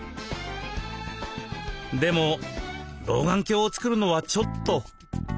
でも老眼鏡を作るのはちょっと。